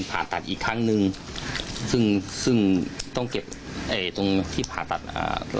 ผ่าตัดอีกครั้งหนึ่งซึ่งซึ่งต้องเก็บไอ้ตรงที่ผ่าตัดอ่า